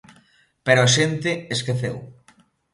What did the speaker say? Pero a xente esqueceu.